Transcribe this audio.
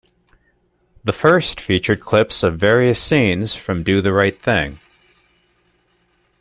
The first featured clips of various scenes from "Do the Right Thing".